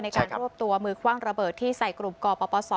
ในการรวบตัวมือคว่างระเบิดที่ใส่กลุ่มก่อป่าวป่าวสอ